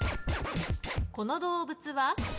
この動物は？